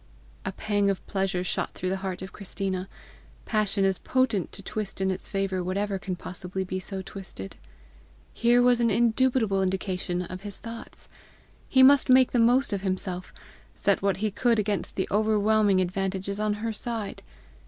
A pang of pleasure shot through the heart of Christina. Passion is potent to twist in its favour whatever can possibly be so twisted. Here was an indubitable indication of his thoughts! He must make the most of himself, set what he could against the overwhelming advantages on her side!